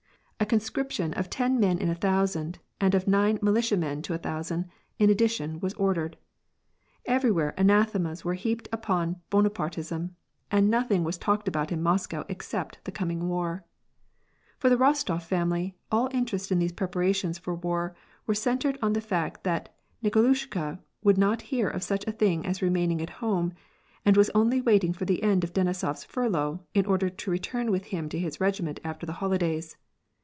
A conscription of ten men in a thousand, and of nine militianien to a thousand, in addition, was ordered. Every where anathemas were heaped upon Bonapai'teism, and nothing was talked about in Moscow except the coming war. For the Bostof family, all interest in these preparations for war were centred on the fact that Nikolushka would not hear of such a thing as remaining at home, and was only waiting for the end of Denisofs furlough in order to return with him to his regiment aft^r (li^ holidays.